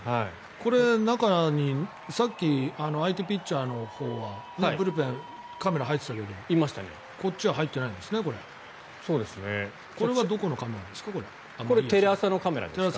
これ、中にさっき相手ピッチャーのほうはブルペン、カメラが入ってたけどこっちは入ってないんですね。